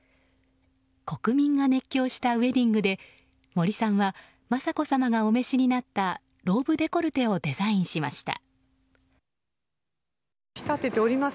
国民が熱狂したウェディングで森さんは雅子さまがお召しになったローブデコルテをデザインしました。